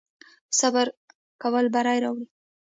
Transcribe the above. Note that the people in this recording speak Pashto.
صبر کول بری راوړي